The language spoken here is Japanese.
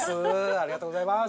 ありがとうございます！